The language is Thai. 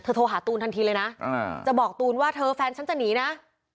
โทรหาตูนทันทีเลยนะจะบอกตูนว่าเธอแฟนฉันจะหนีนะ